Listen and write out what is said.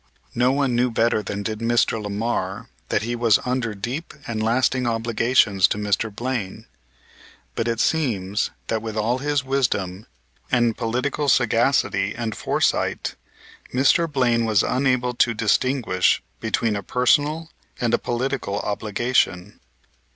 No one knew better than did Mr. Lamar that he was under deep and lasting obligations to Mr. Blaine; but it seems that with all his wisdom and political sagacity and foresight Mr. Blaine was unable to distinguish between a personal and a political obligation.